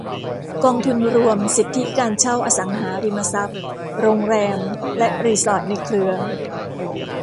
กองทุนรวมสิทธิการเช่าอสังหาริมทรัพย์โรงแรมและรีสอร์ทในเครือ